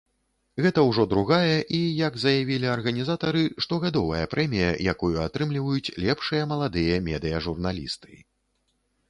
Гэта ўжо другая і, як заявілі арганізатары, штогадовая прэмія, якую атрымліваюць лепшыя маладыя медыяжурналісты.